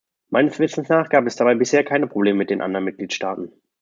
Meines Wissens nach gab es dabei bisher keine Probleme mit den anderen Mitgliedstaaten.